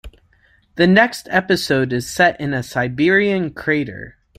The next episode is set in a Siberian crater.